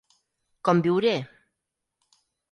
Com viuré?